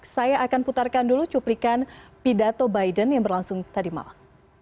saya akan putarkan dulu cuplikan pidato biden yang berlangsung tadi malam